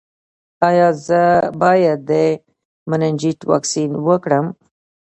ایا زه باید د مننجیت واکسین وکړم؟